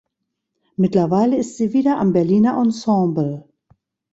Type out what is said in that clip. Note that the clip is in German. Mittlerweile ist sie wieder am Berliner Ensemble.